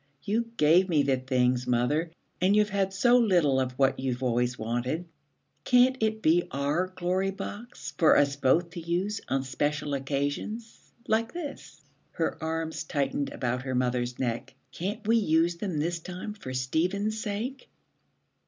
'You gave me the things, mother, and you've had so little of what you've always wanted. Can't it be our Glory Box, for us both to use on special occasions like this?' Her arms tightened about her mother's neck. 'Can't we use them this time for Stephen's sake?'